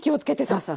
そうそう。